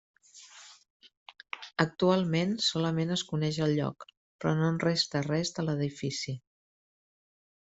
Actualment solament es coneix el lloc, però no en resta res de l'edifici.